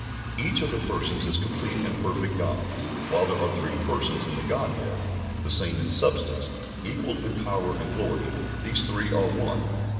Each of the Persons is complete and perfect God. While there are three Persons in the Godhead, the same in substance, equal in power and glory, these three are one.